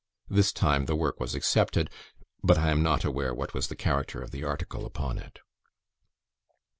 This time the work was accepted; but I am not aware what was the character of the article upon it.